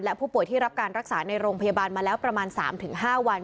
และผู้ป่วยที่รับการรักษาในโรงพยาบาลมาแล้วประมาณ๓๕วัน